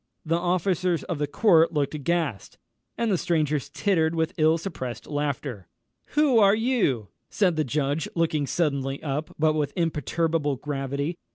The officers of the court looked aghast, and the strangers tittered with ill suppressed laughter. "Who are you?" said the judge, looking suddenly up, but with imperturbable gravity.